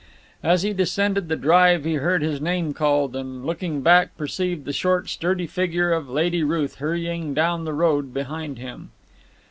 As he descended the drive he heard his name called, and looking back perceived the short, sturdy figure of Lady Ruth hurrying down the road behind him.